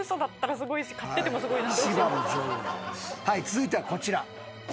続いてはこちら。